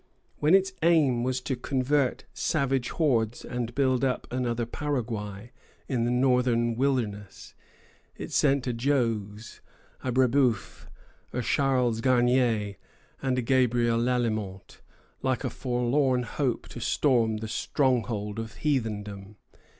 When its aim was to convert savage hordes and build up another Paraguay in the Northern wilderness, it sent a Jogues, a Brébeuf, a Charles Garnier, and a Gabriel Lalemant, like a forlorn hope, to storm the stronghold of heathendom.